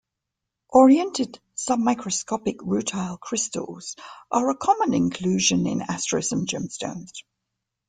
Oriented sub-microscopic rutile crystals are a common inclusion in asterism gemstones.